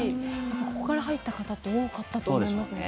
ここから入った方って多かったと思いますね。